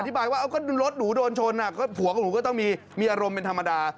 อธิบายว่าก็รถหนูโดนชนอ่ะผัวกับหนูก็ต้องมีอารมณ์เป็นธรรมดา